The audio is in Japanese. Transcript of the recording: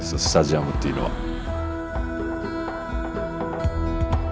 スタジアムっていうのは。